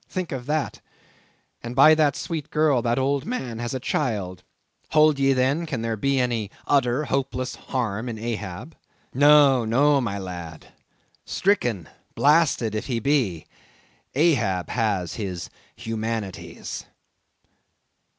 Think of that; by that sweet girl that old man has a child: hold ye then there can be any utter, hopeless harm in Ahab? No, no, my lad; stricken, blasted, if he be, Ahab has his humanities!"